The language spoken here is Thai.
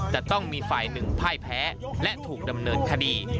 จะต้องมีฝ่ายหนึ่งพ่ายแพ้และถูกดำเนินคดี